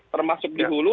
termasuk di hulu